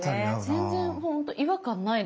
全然ほんと違和感ないです。